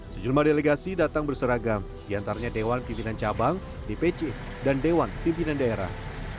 sejumlah delegasi datang berseragam diantaranya dewan pimpinan cabang dpc dan dewan pimpinan daerah